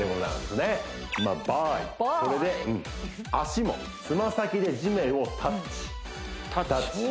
これで足もつま先で地面をタッチタッチ